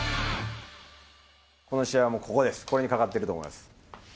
この試合はもうここです、これにかかってると思います。